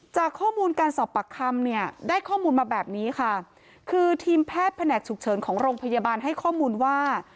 จากข้อมูลการสอบปากคำเนี่ยได้ข้อมูลมาแบบนี้ค่ะคือทีมแพทย์แผนกฉุกเฉินของโรงพยาบาลให้ข้อมูลว่า